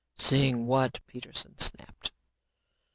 "Seeing what?" Peterson snapped.